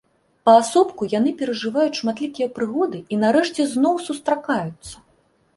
Паасобку яны перажываюць шматлікія прыгоды і нарэшце зноў сустракаюцца.